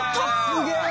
すげえ！